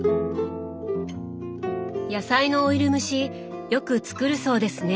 野菜のオイル蒸しよく作るそうですね。